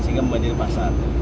sehingga membandingkan pasar